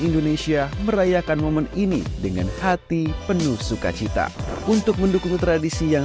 indonesia merayakan momen ini dengan hati penuh sukacita untuk mendukung tradisi yang